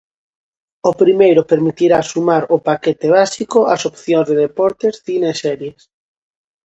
O primeiro permitirá sumar ao paquete básico as opcións de deportes, cine e series.